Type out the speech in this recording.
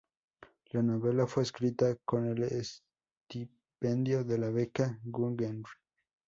La novela fue escrita con el estipendio de la Beca Guggenheim.